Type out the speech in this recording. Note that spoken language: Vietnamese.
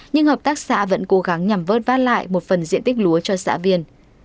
nhưng hợp tác xã vẫn cố gắng nhằm vớt vát lại một phần diện tích lúa cho xã viên